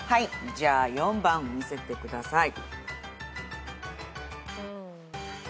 じゃあ４番見せてください。